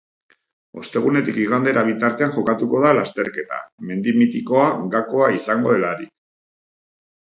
Ostegunetik igandera bitartean jokatuko da lasterketa mendi mitikoa gakoa izango delarik.